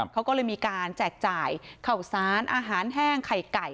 เขาก็เลยมีการแจกจ่ายข่าวสารอาหารแห้งไข่ไก่